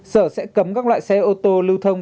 sở sẽ cấm các loại xe ô tô lưu thông